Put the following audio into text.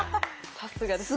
さすがです。